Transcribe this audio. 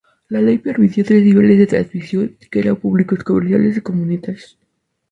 La ley permitió tres niveles de transmisión, que eran públicos, comerciales y comunitarios.